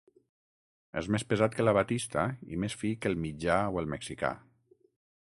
És més pesat que la batista i més fi que el mitjà o el mexicà.